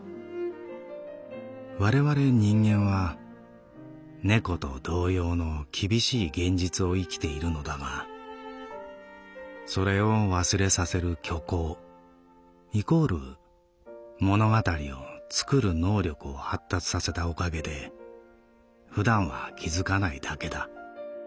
われわれ人間は猫と同様の厳しい現実を生きているのだがそれを忘れさせる虚構＝物語を創る能力を発達させたおかげで普段は気づかないだけだ。